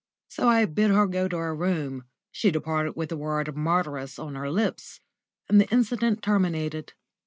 So I bid her go to her room; she departed with the word "murderess" on her lips, and the incident terminated.